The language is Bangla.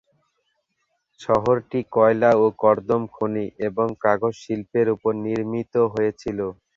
শহরটি কয়লা ও কর্দম খনি এবং কাগজ শিল্পের উপর নির্মিত হয়েছিল।